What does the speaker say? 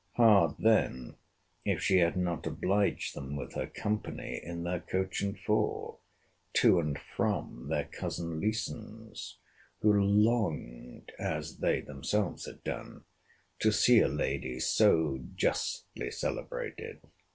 Hard then if she had not obliged them with her company in their coach and four, to and from their cousin Leeson's, who longed, (as they themselves had done,) to see a lady so justly celebrated.